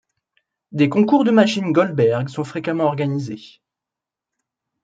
Des concours de machines Goldberg sont fréquemment organisés.